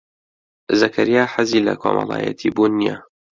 زەکەریا حەزی لە کۆمەڵایەتیبوون نییە.